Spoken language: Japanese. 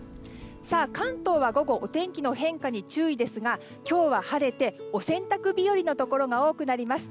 関東は午後お天気の変化に注意ですが今日は晴れて、お洗濯日和のところが多くなります。